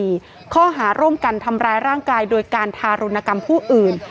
ข้อหาร่วมกันทำร้ายร่างกายโดยการทารุณกรรมผู้อื่น